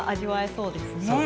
そうですね。